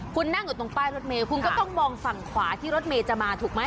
คุณนั่งอยู่ตรงป้ายรถเมย์คุณก็ต้องมองฝั่งขวาที่รถเมย์จะมาถูกไหม